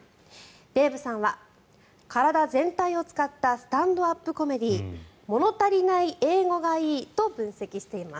デーブさんは、体全体を使ったスタンドアップコメディー物足りない英語がいいと分析しています。